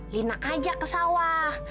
lina ajak ke sawah